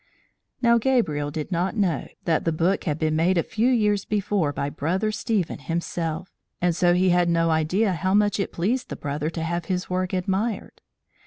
Now Gabriel did not know that the book had been made a few years before by Brother Stephen himself, and so he had no idea how much it pleased the brother to have his work admired.